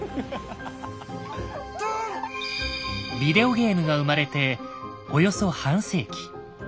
ビデオゲームが生まれておよそ半世紀。